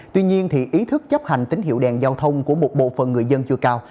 tuy nhiên ý thức chấp hành tín hiệu đèn giao thông của một bộ phận người dân chưa cao